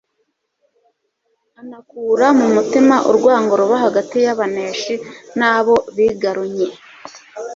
anakura mu mutima urwango ruba hagati y'abaneshi n'abo bigarunye,